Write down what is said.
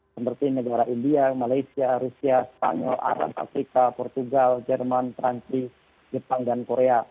seperti negara india malaysia rusia spanyol arab afrika portugal jerman perancis jepang dan korea